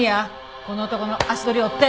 この男の足取りを追って。